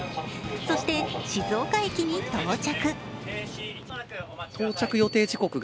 そして、静岡駅に到着。